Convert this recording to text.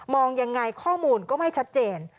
มองอย่างไรข้อมูลก็ไม่ชัดเจน